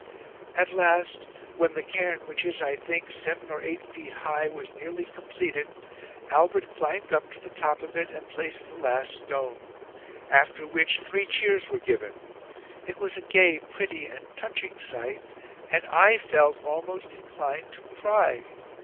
"At last, when the cairn, which is, I think, seven or eight feet high, was nearly completed, Albert climbed up to the top of it, and placed the last stone; after which three cheers were given. It was a gay, pretty, and touching sight; and I felt almost inclined to cry.